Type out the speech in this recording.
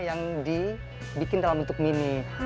yang dibikin dalam bentuk mini